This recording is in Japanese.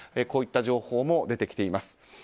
こういった情報も出てきています。